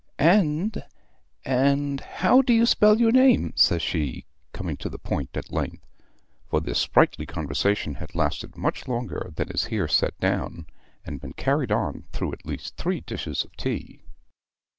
"'And and how do you spell your name?' says she, coming to the point at length; for this sprightly conversation had lasted much longer than is here set down, and been carried on through at least three dishes of tea.